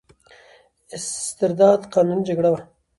استرداد قانوني جګړه وه.